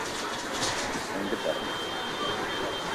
E en que termos.